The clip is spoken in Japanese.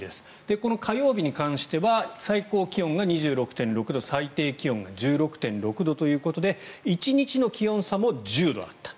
この火曜日に関しては最高気温が２６．６度最低気温が１６．６度ということで１日の気温差も１０度あった。